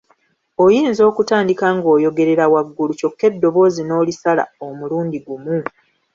Oyinza okutandika ng'oyogerera waggulu kyokka eddoboozi n'olisala omulundi gumu.